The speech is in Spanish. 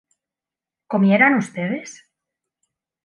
¿comieran ustedes?